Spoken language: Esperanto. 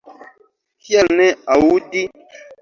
Kial ne aŭdi?